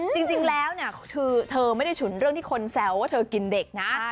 จริงแล้วเนี่ยคือเธอไม่ได้ฉุนเรื่องที่คนแซวว่าเธอกินเด็กนะ